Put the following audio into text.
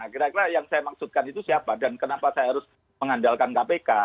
kira kira yang saya maksudkan itu siapa dan kenapa saya harus mengandalkan kpk